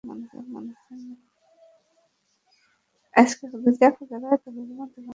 তাকে তো কোনো দিক দিয়েই সুপারহিরো মনে হয় না।